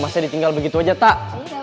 masa ditinggal begitu aja tak